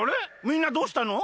みんなどうしたの？